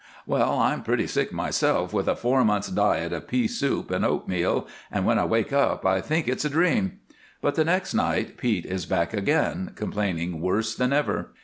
"Well, I'm pretty sick myself, with a four months' diet of pea soup and oatmeal, and when I wake up I think it's a dream. But the next night Pete is back again, complaining worse than ever.